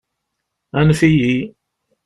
Anef-iyi!